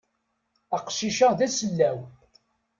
Aqcic-a d asellaw.